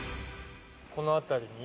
この辺りに。